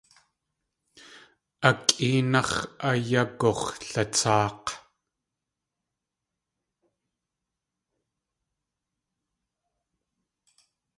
A kʼéenáx̲ ayagux̲latsáak̲.